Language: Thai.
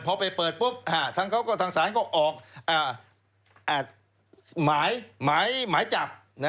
พอไปเปิดปุ๊บทางศาลก็ออกหมายจับ